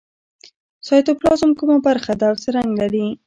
سایتوپلازم کومه برخه ده او څه رنګ لري